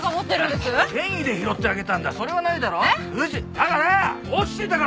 だから！